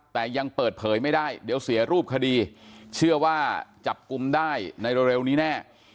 แต่ยังเปิดเผยไม่ได้เดี๋ยวเสียรูปคดีเชื่อว่าจับกลุ่มได้ในเร็วนี้แน่